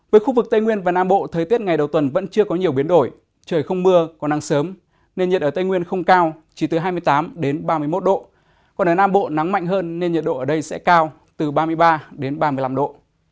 với khu vực tây nguyên và nam bộ thời tiết ngày đầu tuần vẫn chưa có nhiều biến đổi trời không mưa còn nắng sớm nền nhiệt ở tây nguyên không cao chỉ từ hai mươi tám ba mươi một độ còn ở nam bộ nắng mạnh hơn nên nhiệt độ ở đây sẽ cao từ ba mươi ba đến ba mươi năm độ